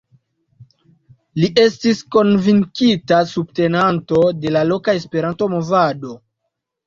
Li estis konvinkita subtenanto de la loka Esperanto-movado.